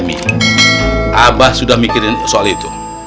abah sudah mikirin soal itu